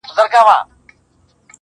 ادم خان دي په خيال گوروان درځي.